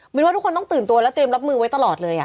ว่าทุกคนต้องตื่นตัวและเตรียมรับมือไว้ตลอดเลย